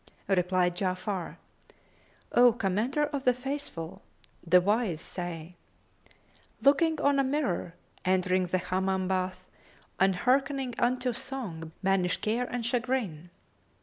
Replied Ja'afar, "O Commander of the Faithful, the wise say, 'Looking on a mirror, entering the Hammam bath and hearkening unto song banish care and chagrin.'"